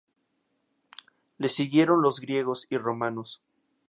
Les siguieron los griegos y romanos.